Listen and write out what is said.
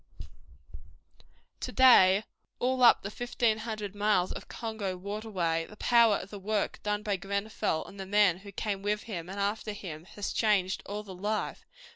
To day all up the fifteen hundred miles of Congo waterway the power of the work done by Grenfell and the men who came with him and after him has changed all the life.